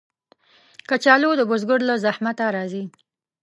کچالو د بزګر له زحمته راځي